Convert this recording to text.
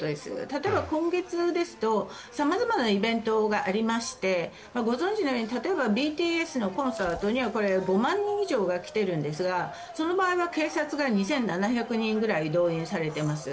例えば今月ですと様々なイベントがありましてご存じのように例えばＢＴＳのコンサートには５万人以上が来てるんですがその場合は警察が２７００人くらい動員されています。